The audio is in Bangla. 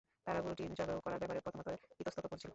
তারা গরুটি যবেহ করার ব্যাপারে প্রথমত ইতস্তত করছিল।